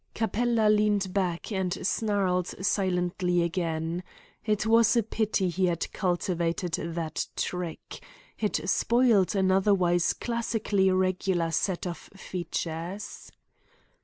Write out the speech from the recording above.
Capella leaned back and snarled silently again. It was a pity he had cultivated that trick. It spoilt an otherwise classically regular set of features.